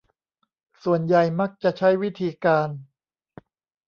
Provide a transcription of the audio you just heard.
ส่วนใหญ่มักจะใช้วิธีการ